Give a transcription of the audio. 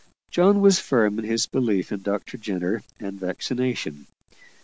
John was firm in his belief in Dr. Jenner and vaccination.